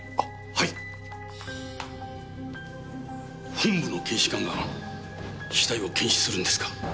本部の検視官が死体を検視するんですか？